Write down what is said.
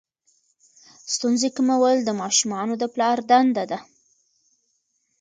ستونزې کمول د ماشومانو د پلار دنده ده.